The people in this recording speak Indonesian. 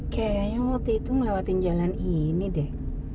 kayaknya waktu itu ngelewatin jalan ini deh